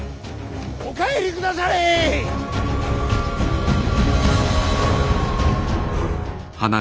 お帰りくだされ！